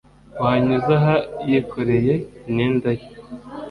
wanyuze aha yikoreye imyenda ye